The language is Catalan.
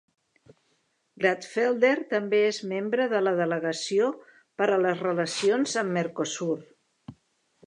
Glattfelder també és membre de la delegació per a les relacions amb Mercosur.